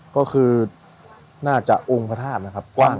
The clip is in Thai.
ก็คือน่าจะองค์พระธาตุนะครับกว้าง